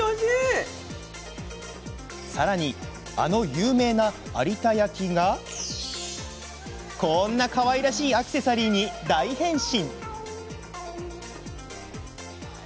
さらに、あの有名な有田焼がこんなかわいらしいアクセサリーに大変身。